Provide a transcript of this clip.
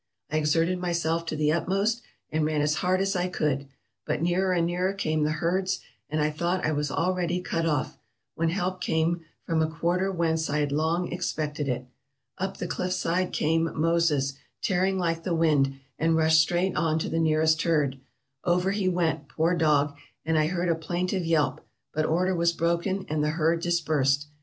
I exerted myself to the ut most, and ran as hard as I could; but nearer and nearer came the herds, and I thought I was already cut off, when help came from a quarter whence I had long expected it. Up the cliff side came 'Moses,' tearing like the wind, and rushed straight on to the nearest herd. Over he went, poor dog, and I heard a plaintive yelp ; but order was broken, and the herd dispersed.